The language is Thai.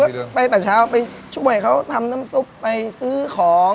ก็ไปแต่เช้าไปช่วยเขาทำน้ำซุปไปซื้อของ